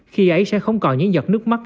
khi ấy sẽ không còn những giọt nước mắt